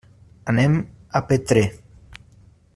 Anem a Petrer.